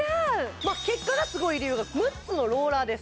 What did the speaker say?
結果がすごい理由が６つのローラーです